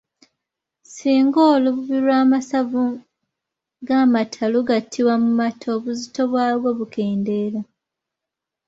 Singa olububi lw’amasavu g’amata lugattibwa mu mata obuzito bwago bukendeera.